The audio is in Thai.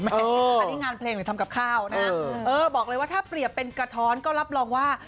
อันนี้งานเพลงหรือทำกับข้าวนะเออบอกเลยว่าถ้าเปรียบเป็นกระท้อนก็รับรองว่า